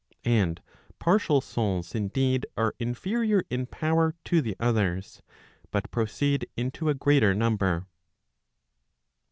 And partial souls indeed are inferior in power to the others, but proceed into a greater number.